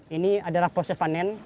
ini adalah proses panen